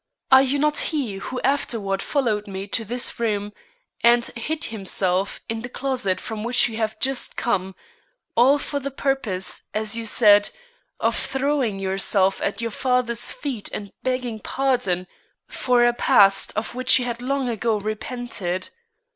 Are you not he who afterward followed me to this room and hid himself in the closet from which you have just come, all for the purpose, as you said, of throwing yourself at your father's feet and begging pardon for a past of which you had long ago repented?